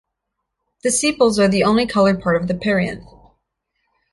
The sepals are the only colored part of the perianth.